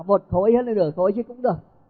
một khối hết là được khối chứ cũng được